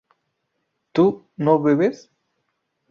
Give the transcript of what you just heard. ¿tú no bebes?